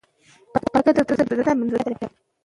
پاکه هوا د بدن د سالم فعالیت لپاره مهمه ده.